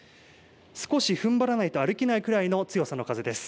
少しふんばらないと歩けないくらいの強さの風です。